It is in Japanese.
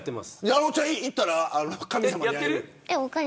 あのちゃん行ったら神様に会える。